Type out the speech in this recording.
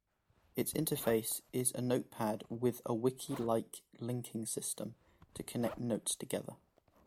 Its interface is a notepad with a wiki-like linking system to connect notes together.